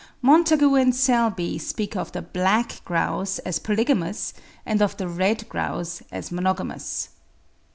Montagu and Selby speak of the Black Grouse as polygamous and of the Red Grouse as monogamous.)